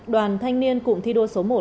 đoàn thanh niên cụm thi đua số một